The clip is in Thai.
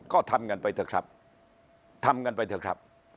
ก็ทำกันไปเถอะครับทำกันไปเถอะครับ